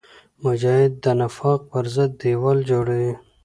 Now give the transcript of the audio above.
مجاهد د نفاق پر ضد دیوال جوړوي.